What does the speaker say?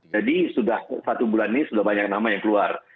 jadi sudah satu bulan ini sudah banyak nama yang keluar